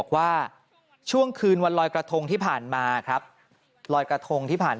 หลังจากพบศพผู้หญิงปริศนาตายตรงนี้ครับ